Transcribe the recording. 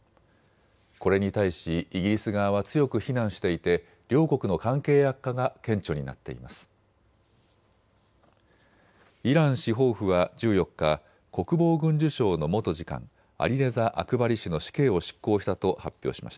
これに対しイギリス側は強く非難していて両国の関係悪化が顕著になっています。